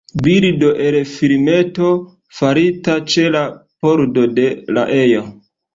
Bildo el filmeto farita ĉe la pordo de la ejo.